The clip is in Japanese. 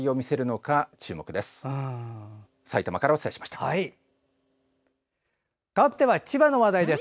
かわっては千葉の話題です。